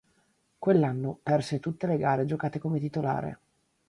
Quell'anno perse tutte le gare giocate come titolare.